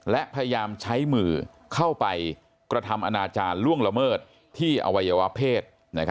และพยายามใช้มือเข้าไปกระทำอนาจารย์ล่วงละเมิดที่อวัยวะเพศ